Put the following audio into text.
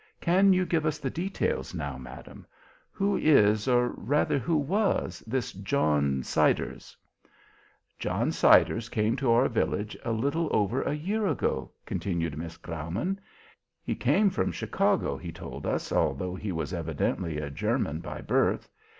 "Can you give us the details now, Madam? Who is, or rather who was, this John Siders?" "John Siders came to our village a little over a year ago," continued Miss Graumann. "He came from Chicago; he told us, although he was evidently a German by birth.